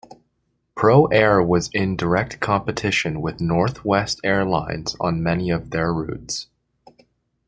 Pro Air was in direct competition with Northwest Airlines on many of their routes.